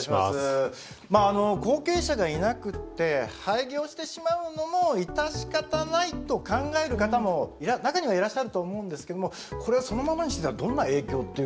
後継者がいなくて廃業してしまうのも致し方ないと考える方も中にはいらっしゃると思うんですけどもこれをそのままにしてたらどんな影響っていうかあるんでしょうか。